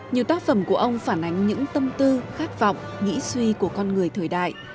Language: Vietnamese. nhiều tác phẩm của ông phản ánh những tâm tư khát vọng nghĩ suy của con người thời đại